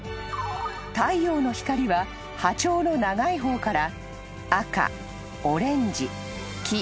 ［太陽の光は波長の長い方から］